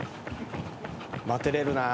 「待てれるなぁ」